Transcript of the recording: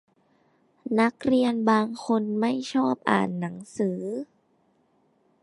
นักเรียนบางคนไม่ชอบอ่านหนังสือ